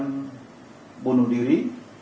kenapa yang bersambutan bunuh diri